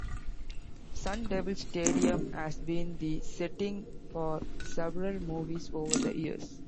Sun Devil Stadium has been the setting for several movies over the years.